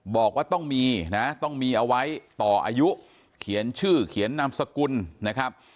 บอกว่าต้องมีนะต้องมีเอาไว้ต่ออายุเขียนชื่อเขียนนามสกุลนะครับ